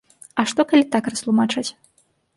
А што, калі так растлумачаць?